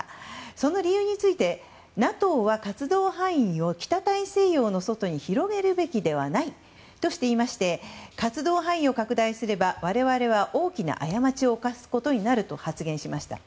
その理由についてＮＡＴＯは活動範囲を北大西洋の外に広げるべきではないとしていまして活動範囲を拡大すれば、我々は大きな過ちを犯すことになると発言しました。